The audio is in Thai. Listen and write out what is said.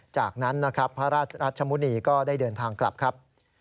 จากนั้นนะครับพระราชมุณีก็ได้เดินทางกลับครับ